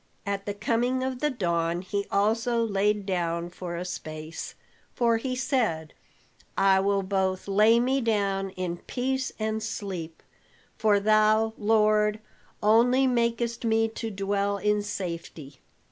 At the coming of the dawn he also laid down for a space, for he said, "I will both lay me down in peace and sleep; for thou Lord only makest me to dwell in safety.